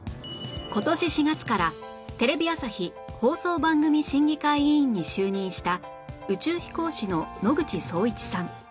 今年４月からテレビ朝日放送番組審議会委員に就任した宇宙飛行士の野口聡一さん